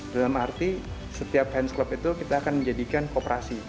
dalam arti setiap hands club itu kita akan menjadikan kooperasi